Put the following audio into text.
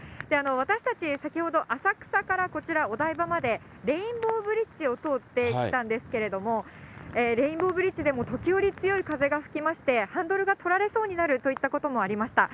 私たち、先ほど、浅草からこちら、お台場までレインボーブリッジを通って来たんですけれども、レインボーブリッジでも時折、強い風が吹きまして、ハンドルが取られそうになるといったこともありました。